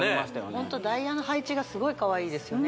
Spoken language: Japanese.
ホントダイヤの配置がすごいかわいいですよね